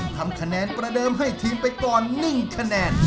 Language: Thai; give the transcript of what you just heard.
ทำคะแนนประเดิมให้ทีมไปก่อน๑คะแนน